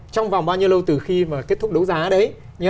trong vòng bao nhiêu lâu từ khi mà kết thúc đấu giá đấy